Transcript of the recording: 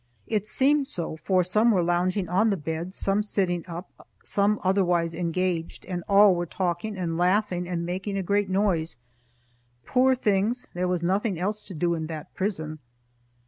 It seemed so, for some were lounging on the beds, some sitting up, some otherwise engaged, and all were talking and laughing and making a great noise. Poor things! there was nothing else to do in that prison.